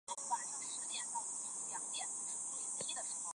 南美洲足球协会是负责管理南美洲有关足球的事务。